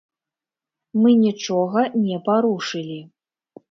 Мы нічога не парушылі.